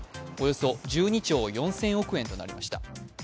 およそ１２兆４０００億円となりました。